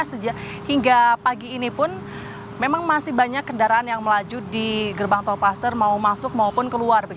sejak hingga pagi ini pun memang masih banyak kendaraan yang melaju di gerbang tolpaster mau masuk maupun keluar